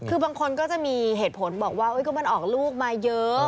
คือบางคนก็จะมีเหตุผลบอกว่าก็มันออกลูกมาเยอะ